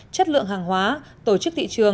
chất lượng hàng hóa tổ chức thị trường